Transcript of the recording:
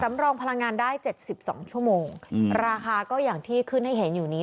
รองพลังงานได้เจ็ดสิบสองชั่วโมงอืมราคาก็อย่างที่ขึ้นให้เห็นอยู่นี้